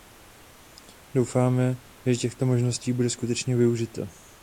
Doufáme, že těchto možností bude skutečně využito.